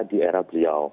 di era beliau